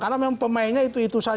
karena memang pemainnya itu itu saja